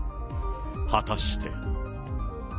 果たして。